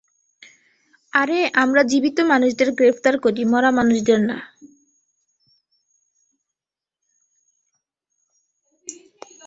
আরে আমরা জীবিত মানুষদের গ্রেফতার করি, মরা মানুষদের না।